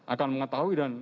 akan mengetahui dan